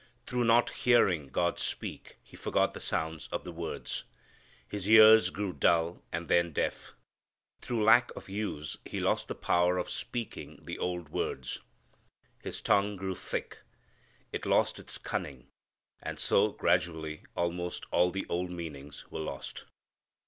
Through not hearing God speak he forgot the sounds of the words. His ears grew dull and then deaf. Through lack of use he lost the power of speaking the old words. His tongue grew thick. It lost its cunning. And so gradually almost all the old meanings were lost.